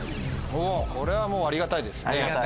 これはもうありがたいですね。